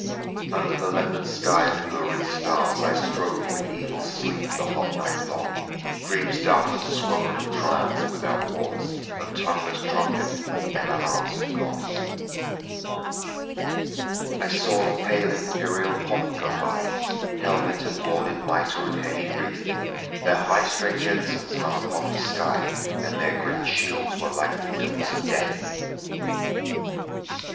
Under the leopard sky of lurid stars I strove with evil sleep the hot night long, Dreams dumb and swollen of triumphs without wars, Of tongueless trumpet and unanswering gong. I saw a pale imperial pomp go by, Helmet and hornèd mitre and heavy wreath; Their high strange ensigns hung upon the sky And their great shields were like the doors of death.